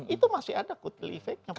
itu masih ada kutil efeknya